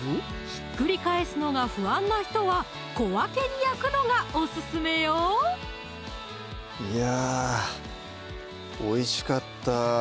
ひっくり返すのが不安な人は小分けに焼くのがオススメよいやおいしかった